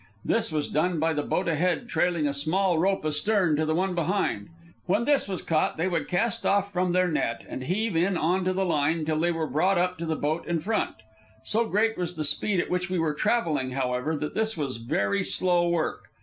This was done by the boat ahead trailing a small rope astern to the one behind. When this was caught, they would cast off from their net and heave in on the line till they were brought up to the boat in front. So great was the speed at which we were travelling, however, that this was very slow work.